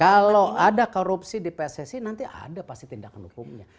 kalau ada korupsi di pssi nanti ada pasti tindakan hukumnya